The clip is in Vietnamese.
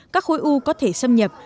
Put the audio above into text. các khối u có thể xâm nhập